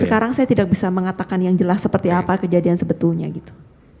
sekarang saya tidak bisa mengatakan yang jelas seperti apa kejadian sebetulnya gitu